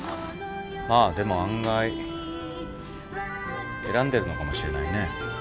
まあでも案外選んでるのかもしれないね。